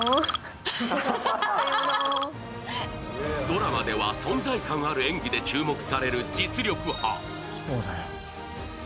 ドラマでは存在感ある演技で注目される実力派。